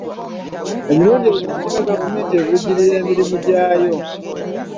Emirundi egisinga gavumenti evujjirira emirimu gyayo.